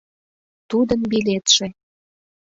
ТУДЫН БИЛЕТШЕ